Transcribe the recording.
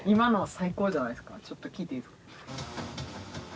はいちょっと聴いていいですか？